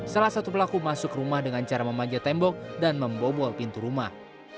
salah satu pelaku masuk rumah dengan cara memanjat tembok dan membobol pintu rumah